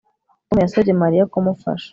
Tom yasabye Mariya kumufasha